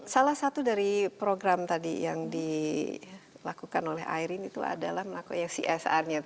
salah satu dari program tadi yang dilakukan oleh airin itu adalah melakukan csr nya